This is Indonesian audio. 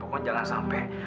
pokoknya jangan sampai